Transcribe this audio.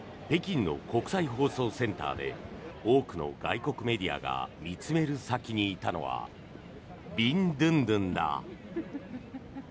北京の国際放送センターで多くの外国メディアが見つめる先にいたのはビンドゥンドゥンだ。